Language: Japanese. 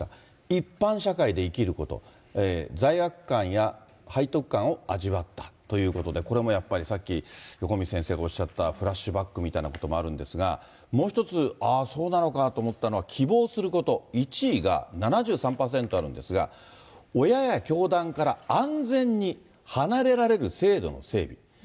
一般社会で生きること、罪悪感や背徳感を味わったということで、これもやっぱりさっき横道先生がおっしゃったフラッシュバックみたいなこともあるんですが、もう一つ、ああそうなのかと思ったのが、希望すること、１位が７３％あるんですが、親や教団から安全に離れられる制度の整備。